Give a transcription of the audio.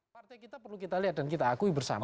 partai kita perlu kita lihat dan kita akui bersama